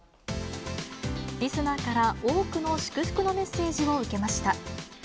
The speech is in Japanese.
リスナーから、多くの祝福のメッセージを受けました。